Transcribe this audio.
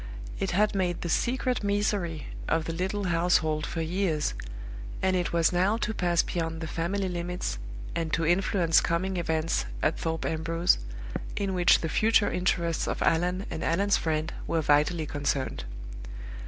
It had made the secret misery of the little household for years; and it was now to pass beyond the family limits, and to influence coming events at Thorpe Ambrose, in which the future interests of Allan and Allan's friend were vitally concerned.